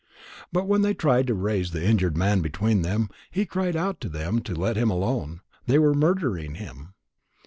But when they tried to raise the injured man between them, he cried out to them to let him alone, they were murdering him.